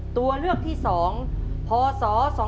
ตัวเลือกที่๒พศ๒๕๖